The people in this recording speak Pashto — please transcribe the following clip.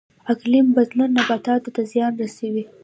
اقلیم بدلون نباتاتو ته زیان رسوي